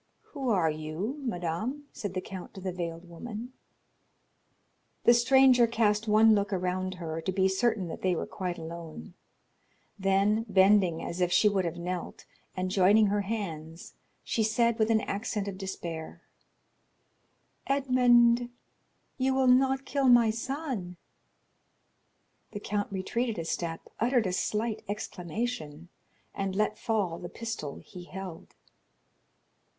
"Who are you, madame?" said the count to the veiled woman. 40227m The stranger cast one look around her, to be certain that they were quite alone; then bending as if she would have knelt, and joining her hands, she said with an accent of despair: "Edmond, you will not kill my son!" The count retreated a step, uttered a slight exclamation, and let fall the pistol he held.